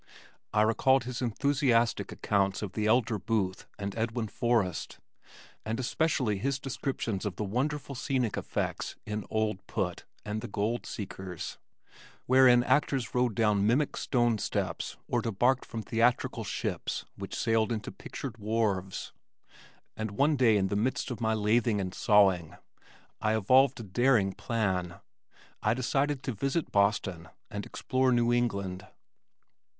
I recalled his enthusiastic accounts of the elder Booth and Edwin Forrest, and especially his descriptions of the wonderful scenic effects in Old Put and The Gold Seekers, wherein actors rode down mimic stone steps or debarked from theatrical ships which sailed into pictured wharves, and one day in the midst of my lathing and sawing, I evolved a daring plan I decided to visit Boston and explore New England.